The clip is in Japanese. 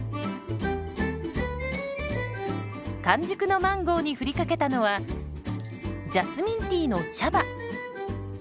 完熟のマンゴーに振りかけたのはジャスミンティーの茶葉。